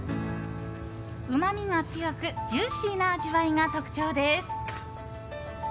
うまみが強くジューシーな味わいが特徴です。